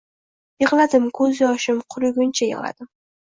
Yig’ladim ko’zyoshim quriguncha yig’ladim.